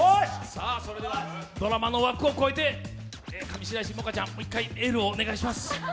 それではドラマの枠を超えて上白石萌歌ちゃん、もう一回エールをお願いします。